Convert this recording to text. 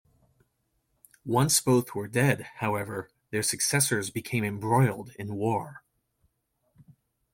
Once both were dead, however, their successors became embroiled in war.